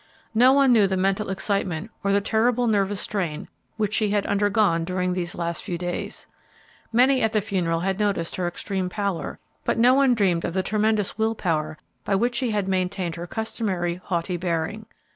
No one knew the mental excitement or the terrible nervous strain which she had undergone during those last few days. Many at the funeral had noted her extreme pallor, but no one dreamed of the tremendous will power by which she had maintained her customary haughty bearing.